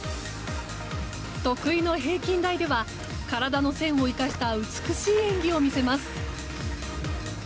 得意の平均台では体の線を生かした美しい演技を見せます。